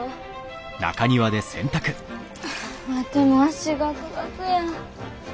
ワテも足ガクガクや。